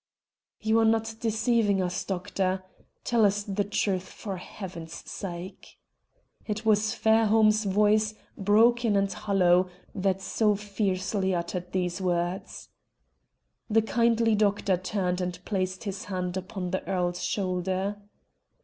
"You are not deceiving us, doctor? Tell us the truth, for Heaven's sake." It was Fairholme's voice, broken and hollow, that so fiercely uttered these words. The kindly doctor turned and placed his hand upon the earl's shoulder.